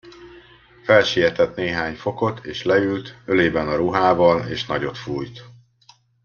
Felsietett néhány fokot, és leült, ölében a ruhával, és nagyot fújt.